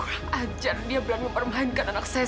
kurang ajar dia berani mempermainkan anak saya